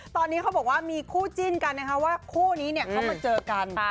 ตอนนี้เขาบอกว่ามีคู่จิ้นกันว่าคู่นี้เข้ามาเจอกัน